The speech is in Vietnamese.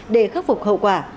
để khắc phục hậu quả